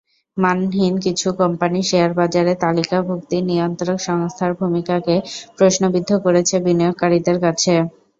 মানহীন কিছু কোম্পানির শেয়ারবাজারে তালিকাভুক্তি নিয়ন্ত্রক সংস্থার ভূমিকাকে প্রশ্নবিদ্ধ করেছে বিনিয়োগকারীদের কাছে।